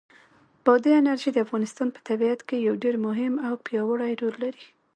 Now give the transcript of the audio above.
بادي انرژي د افغانستان په طبیعت کې یو ډېر مهم او پیاوړی رول لري.